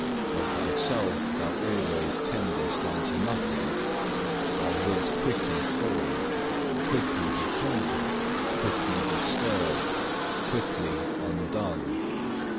Of thyself thou always tendest unto nothing, thou wilt quickly fall, quickly be conquered, quickly disturbed, quickly undone.